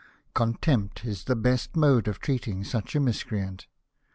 Contempt is the best mode of treating such a miscreant."